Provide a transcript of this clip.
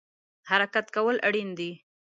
حرکت کول اړین دی